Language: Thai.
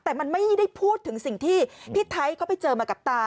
แต่มันไม่ได้พูดถึงสิ่งที่พี่ไทยเขาไปเจอมากับตา